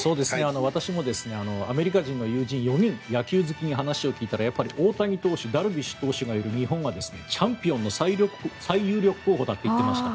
私もアメリカ人の友人４人野球好きに話を聞いたらやっぱり大谷投手ダルビッシュ投手がいる日本がチャンピオンの最有力候補だと言っていました。